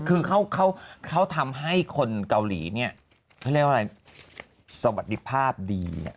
คือเขาทำให้คนเกาหลีไม่ได้ว่าอะไรสวัสดิภาพดี